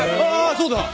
そうだ。